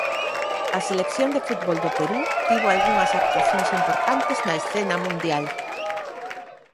A selección de fútbol do Perú tivo algunhas actuacións importantes na escena mundial.